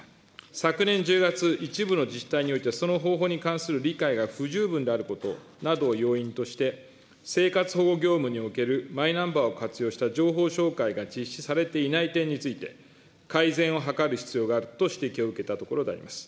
昨年１０月、一部の自治体において、その方法に関する理解が不十分であることなどを要因として、生活保護業務におけるマイナンバーを活用した情報照会が実施されていない点について、改善を図る必要があると指摘を受けたところであります。